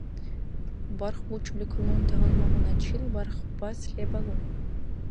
Барх бучӀули калунти гьалмагъуначил бархбас лебалу